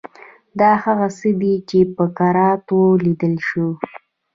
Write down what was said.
دا هغه څه دي چې په کراتو لیدل شوي.